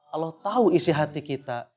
kalau tahu isi hati kita